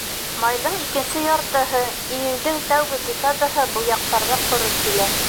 Майҙың икенсе яртыһы, июндең тәүге декадаһы был яҡтарҙа ҡоро килә.